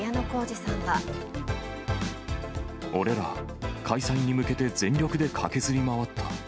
俺ら、開催に向けて全力で駆けずり回った。